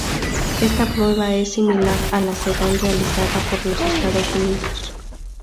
Esta prueba es similar a la Sedán realizada por los Estados Unidos.